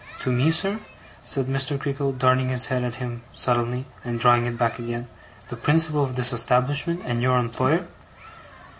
To me, sir,' said Mr. Creakle, darting his head at him suddenly, and drawing it back again, 'the principal of this establishment, and your employer.